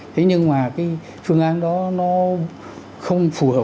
thế nhưng mà cái phương án đó nó không phù hợp